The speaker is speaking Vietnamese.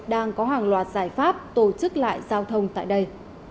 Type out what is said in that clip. đang có hàng loạt giải pháp tổ chức lại giao thông tại đây